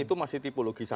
itu masih tipologi satu